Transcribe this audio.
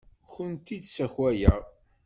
Ur kent-id-ssakayeɣ.